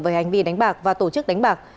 về hành vi đánh bạc và tổ chức đánh bạc